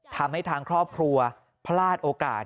ทำให้ทางครอบครัวพลาดโอกาส